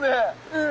うん。